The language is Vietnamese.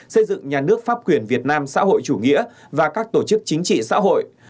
xây dựng nhà nước pháp quyền việt nam xã hội chủ nghĩa và các tổ chức chính trị xã hội